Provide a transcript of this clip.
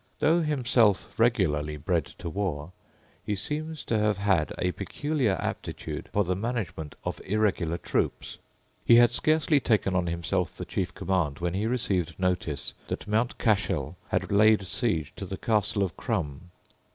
Though himself regularly bred to war, he seems to have had a peculiar aptitude for the management of irregular troops. He had scarcely taken on himself the chief command when he received notice that Mountcashel had laid siege to the Castle of Crum.